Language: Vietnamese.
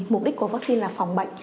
mục đích của vaccine là phòng bệnh